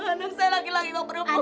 anak saya laki laki baperempuan